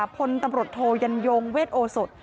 พลตำรวจโทยันยงเวทโอสด